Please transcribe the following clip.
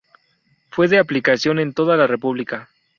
Fue de aplicación en toda la República.